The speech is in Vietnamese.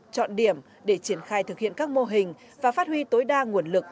chọn điểm để triển khai thực hiện các mô hình và phát huy tối đa nguồn lực